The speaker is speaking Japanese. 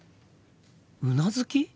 うなずき？